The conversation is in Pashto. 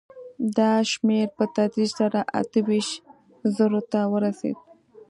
دا شمېر په تدریج سره اته ویشت زرو ته ورسېد